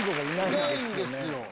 いないんですよ。